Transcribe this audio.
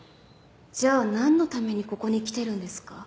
じゃあなんのためにここに来てるんですか？